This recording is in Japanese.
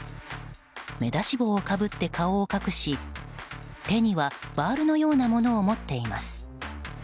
目出し帽をかぶって顔を隠し手にはバールのようなものを持っています。